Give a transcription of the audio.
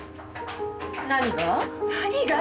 何が？